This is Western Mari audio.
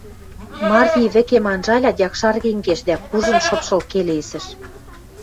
Марйи вӹкем анжалят, якшарген кеш дӓ кужын шыпшыл келесӹш: